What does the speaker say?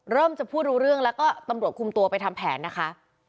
เริ่มจะพูดรู้เรื่องแล้วก็ตำรวจคุมตัวไปทำแผนนะคะ